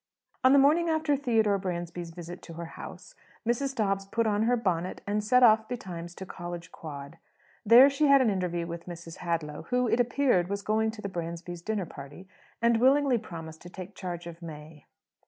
On the morning after Theodore Bransby's visit to her house, Mrs. Dobbs put on her bonnet and set off betimes to College Quad. There she had an interview with Mrs. Hadlow, who, it appeared, was going to the Bransbys' dinner party, and willingly promised to take charge of May.